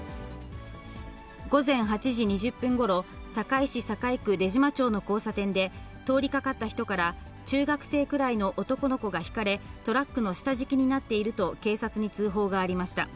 午前８時２０分ごろ、堺市堺区出島町の交差点で、通りかかった人から中学生くらいの男の子がひかれ、トラックの下敷きになっていると警察に通報がありました。